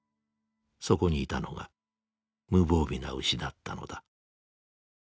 そこにいたのが無防備な牛だったのだ。